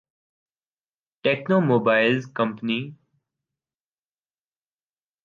techno mobiles come